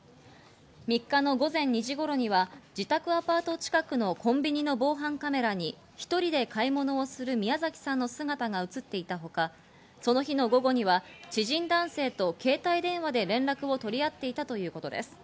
３日の午前２時頃には自宅アパート近くのコンビニの防犯カメラに１人で買い物をする宮崎さんの姿が映っていたほかその日の午後には知人男性と携帯電話で連絡を取り合っていたということです。